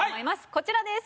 こちらです。